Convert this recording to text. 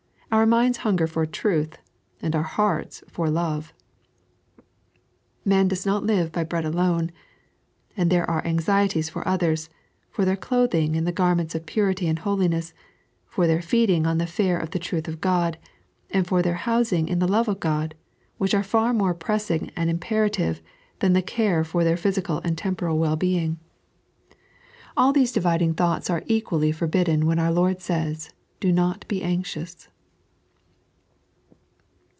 Our minds hunger for tnith and our hearts for love. " Man doth not hve by bread alone," And there are anxieties for others, for their clothing in the garments of purity and holiness, for their feeding on the fare of the truth of God, and for their housing in the love of God, which are far •nore pressing and imperative than the care for their physical and temporal well being. All these dividing 3.n.iized by Google "The Lord will Provide." 157 thoughts are equally forbidden when our Lord says: " Do not be anxious."